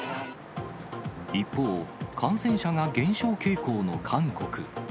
一方、感染者が減少傾向の韓国。